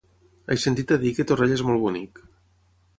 He sentit a dir que Torrella és molt bonic.